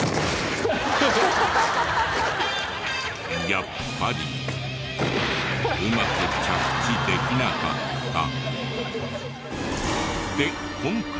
やっぱりうまく着地できなかった。